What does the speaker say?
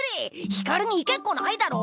光に行けっこないだろ？